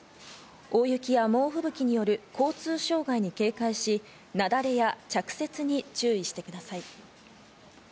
大雪や猛ふぶきによる交通障害に警戒し、雪崩や着雪に注意してください。